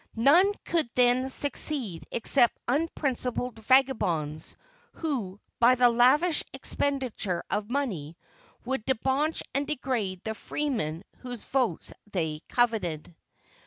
None could then succeed except unprincipled vagabonds, who, by the lavish expenditure of money, would debauch and degrade the freemen whose votes they coveted.